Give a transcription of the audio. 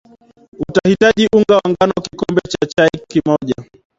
utahitaji unga wa ngano kikombe cha chai moja